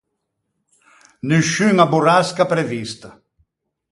Nisciuña borrasca prevista.